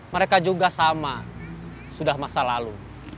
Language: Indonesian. mereka juga sama sudah masa lalu